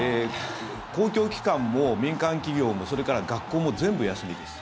公共機関も民間企業もそれから学校も全部休みです。